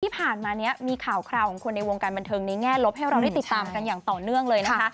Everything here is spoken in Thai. ที่ผ่านมานี้มีข่าวคราวของคนในวงการบันเทิงในแง่ลบให้เราได้ติดตามกันอย่างต่อเนื่องเลยนะคะ